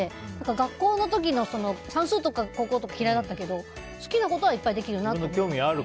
学校の時の算数とかは嫌いだったけど好きなことはいっぱいできるようになって。